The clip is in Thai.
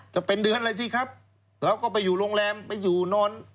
จะเป็นเดือนอะไรสิครับเราก็ไปอยู่โรงแรมไปอยู่นอน